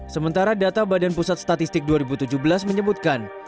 sementara data badan pusat statistik dua ribu tujuh belas menyebutkan